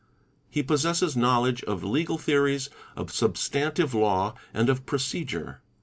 He possesses knowledge of legal theories, of substantive law, and of procedure.